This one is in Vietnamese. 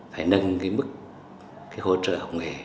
phải nâng mức hỗ trợ học nghề